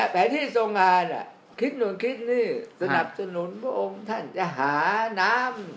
แต่ที่ทรงงานคิดนู่นคิดนี่สนับสนุนพระองค์ท่านจะหาน้ำ